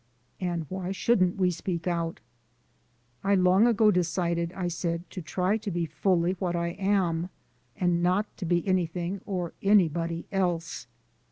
And why shouldn't we speak out? "I long ago decided," I said, "to try to be fully what I am and not to be anything or anybody else."